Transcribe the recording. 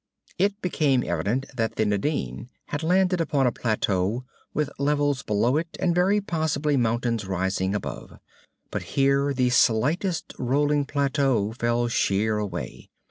It became evident that the Nadine had landed upon a plateau with levels below it and very possibly mountains rising above. But here the slightly rolling plateau fell sheer away.